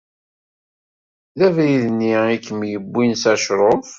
D abrid-nni i kem-yewwin s acṛuf?